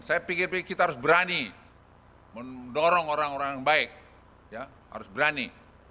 saya pikir pikir kita harus berani mendorong orang orang yang baik harus berani